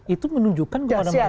itu menunjukkan kemana mana